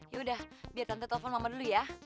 ya udah biar tante telepon mama dulu ya